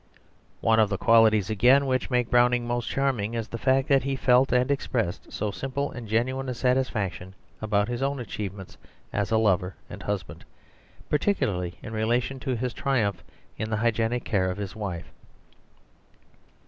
One of the qualities again which make Browning most charming, is the fact that he felt and expressed so simple and genuine a satisfaction about his own achievements as a lover and husband, particularly in relation to his triumph in the hygienic care of his wife.